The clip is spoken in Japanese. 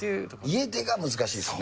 家でが難しいですね。